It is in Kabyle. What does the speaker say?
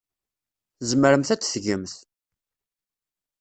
Tzemremt ad t-tgemt.